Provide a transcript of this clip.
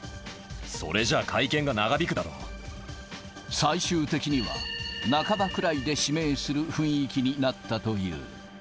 それじゃ、最終的には、半ばくらいで指名する雰囲気になったという。